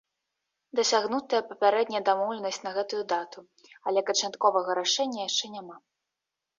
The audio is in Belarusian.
Дасягнутая папярэдняя дамоўленасць на гэтую дату, але канчатковага рашэння яшчэ няма.